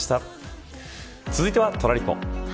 続いてはトラリポ。